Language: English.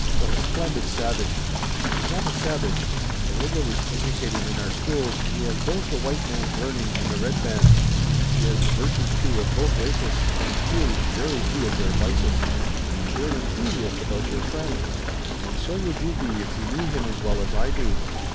What a splendid savage!" "He's not a savage. Tayoga was educated in our schools and he has both the white man's learning and the red man's. He has the virtues, too, of both races, and few, very few of their vices." "You're an enthusiast about your friend." "And so would you be if you knew him as well as I do.